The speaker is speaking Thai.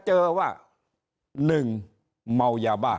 ถ้าท่านผู้ชมติดตามข่าวสาร